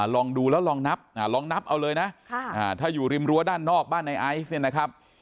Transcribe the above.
ลองดูแล้วลองนับลองนับเอาเลยนะถ้าอยู่ริมรั้วด้านนอกบ้านในไอซ์เนี่ยนะครับ